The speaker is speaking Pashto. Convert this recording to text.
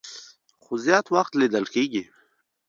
خو زيات وخت ليدل کيږي